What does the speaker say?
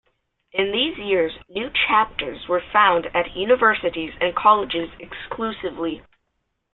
In these years, new chapters were founded at universities and colleges exclusively.